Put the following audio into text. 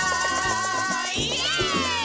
イエーイ！